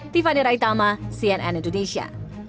tiffany raitama cnn indonesia